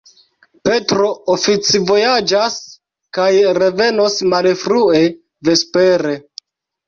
Petro oficvojaĝas kaj revenos malfrue vespere.